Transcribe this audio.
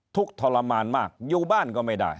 ทุกข์ทรมานมากอยู่บ้านก็ไม่ได้